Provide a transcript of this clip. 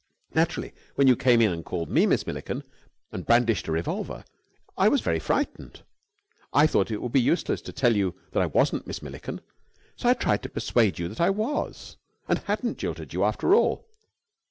Naturally, when you came in and called me Miss Milliken, and brandished a revolver, I was very frightened. I thought it would be useless to tell you that I wasn't Miss Milliken, so I tried to persuade you that I was, and hadn't jilted you after all."